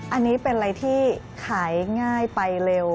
อันนี้เป็นอะไรที่ขายง่ายไปเร็ว